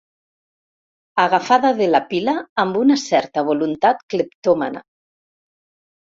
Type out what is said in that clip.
Agafada de la pila amb una certa voluntat cleptòmana.